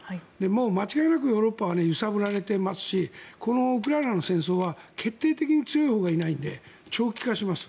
間違いなくヨーロッパは揺さぶられていますしこのウクライナの戦争は決定的に強いほうがいないので長期化します。